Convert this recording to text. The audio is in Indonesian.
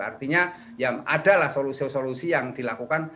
artinya ya adalah solusi solusi yang dilakukan